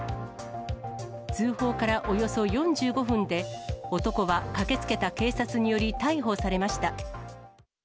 通報からおよそ４５分で、男は駆けつけた警察により、逮捕されました。